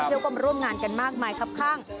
เที่ยวก็มาร่วมงานกันมากมายครับข้าง